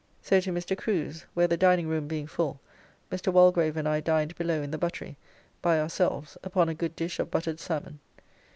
So to Mr. Crew's, where the dining room being full, Mr. Walgrave and I dined below in the buttery by ourselves upon a good dish of buttered salmon.